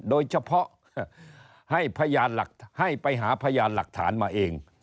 โดยเฉพาะให้ไปหาพยานหลักฐานมาเอง